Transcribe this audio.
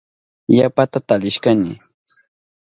Yapata talishkani.